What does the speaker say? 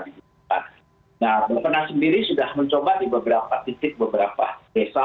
nah bapak nas sendiri sudah mencoba di beberapa titik beberapa desa